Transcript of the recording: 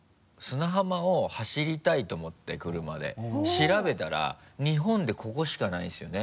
調べたら日本でここしかないんですよね。